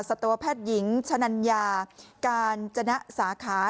สัตวแพทย์หญิงชะนัญญาการจนะสาขา